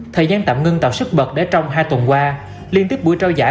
thời gian tạm ngưng tạo sức bật để trong hai tuần qua liên tiếp buổi trao giải